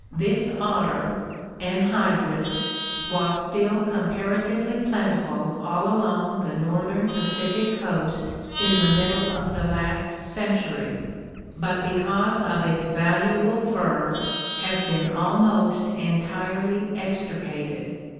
This otter (Enhydris) was still comparatively plentiful all along the northern Pacific coast in the middle of the last century, but because of its valuable fur has been almost entirely extirpated.